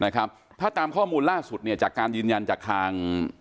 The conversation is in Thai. ถ้าตามข้อมูลล่าสุดเนี่ยจากการยืนยันจากทาง